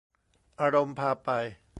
อารมณ์พาไป